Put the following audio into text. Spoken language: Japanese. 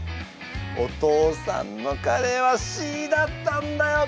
お父さんのカレーはＣだったんだよ